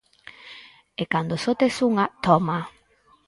E cando só tes unha, tómaa.